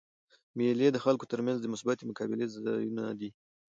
مېلې د خلکو تر منځ د مثبتي مقابلې ځایونه دي.